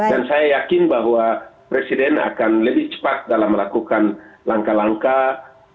dan saya yakin bahwa presiden akan lebih cepat dalam melakukan langkah langkah